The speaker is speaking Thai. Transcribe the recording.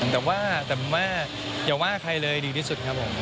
แต่ว่าให้ว่าใครเลยดีที่สุด